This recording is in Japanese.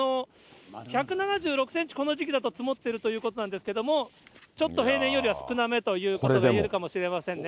１７６センチ、この時期だと積もってるということなんですが、ちょっと平年よりは少なめということがいえるかもしれませんね。